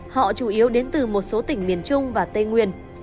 họ chủ yếu đến từ một số tỉnh miền trung và tây nguyên